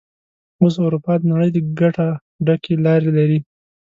اوس اروپا د نړۍ د ګټه ډکې لارې لري.